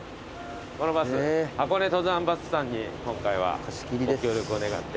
このバス箱根登山バスさんに今回はご協力を願って。